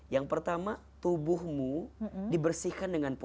yang pertama tubuhmu dibersihkan dengan empat hal